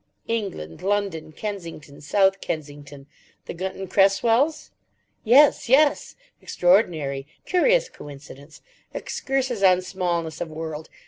England. London. Kensington. South Kensington. The Gunton Cresswells? Yes, yes! Extraordinary. Curious coincidence. Excursus on smallness of world.